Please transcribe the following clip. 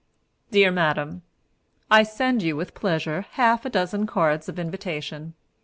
"Dear Madam: I send you, with pleasure, half a dozen cards of invitation.